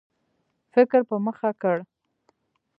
فکر په مخه کړ.